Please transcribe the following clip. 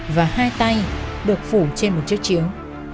và hai tay được phủ trên một chiếc chiếc